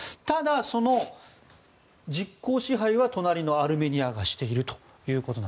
ただ、その実効支配は隣のアルメニアがしていると。